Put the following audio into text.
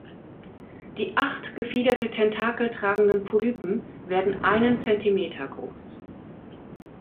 Die acht gefiederte Tentakel tragenden Polypen werden einen Zentimeter groß.